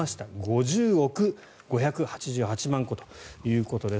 ５０億５８８万個ということです。